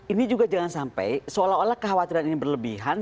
ini juga jangan sampai seolah olah kekhawatiran ini berlebihan